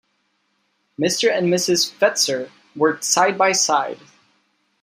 Mr. and Mrs. Fetzer worked side by side.